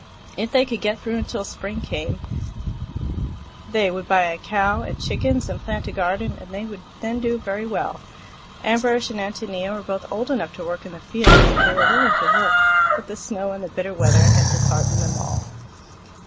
If they could get through until spring came, they would buy a cow and chickens and plant a garden, and would then do very well. Ambrosch and Ántonia were both old enough to work in the fields, and they were willing to work. But the snow and the bitter weather had disheartened them all.